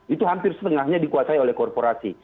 itu hampir setengahnya dikuasai oleh korporasi